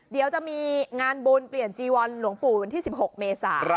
เดี๋ยวจะมีงานบุญเปลี่ยนจีวรหลวงปู่วันที่๑๖เมษา